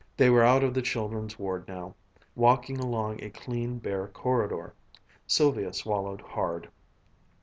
They were out of the children's ward now, walking along a clean bare corridor. Sylvia swallowed hard.